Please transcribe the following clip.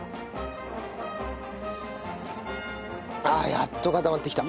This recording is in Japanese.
やっと固まってきた！